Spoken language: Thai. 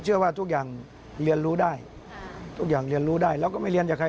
ผมเชื่อว่าทุกอย่างเรียนรู้ได้ทุกอย่างเรียนรู้ได้แล้วก็ไม่เรียนจากใคร